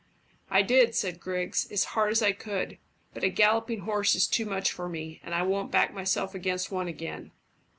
"I did," said Griggs, "as hard as I could; but a galloping horse is too much for me, and I won't back myself against one again."